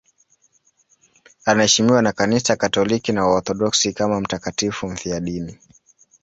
Anaheshimiwa na Kanisa Katoliki na Waorthodoksi kama mtakatifu mfiadini.